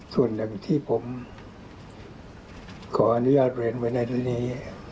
ส่วนหนึ่งที่ผมขออนุญาตเรียนไว้ในเรื่องนี้